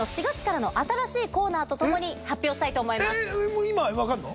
もう今分かるの？